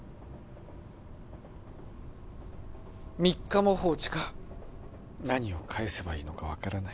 ３日も放置か何を返せばいいのか分からない